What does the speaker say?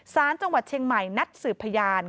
สารจังหวัดเชียงใหม่นัดสืบพยาน